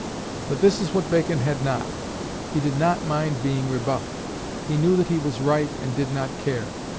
But this is what Bacon had not. He did not mind being rebuffed; he knew that he was right, and did not care.